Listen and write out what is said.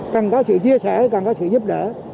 cần có sự chia sẻ cần có sự giúp đỡ